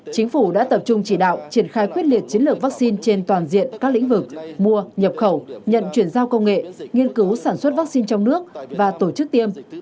chính phủ đã tập trung chỉ đạo triển khai quyết liệt chiến lược vaccine trên toàn diện các lĩnh vực mua nhập khẩu nhận chuyển giao công nghệ nghiên cứu sản xuất vaccine trong nước và tổ chức tiêm